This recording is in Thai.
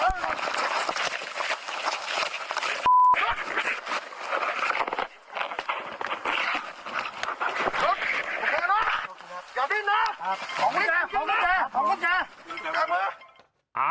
ละ